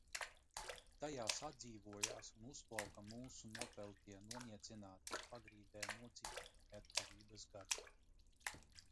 Tajās atdzīvojās un uzplauka mūsu nopeltie, noniecinātie, pagrīdē nodzītie neatkarības gadi.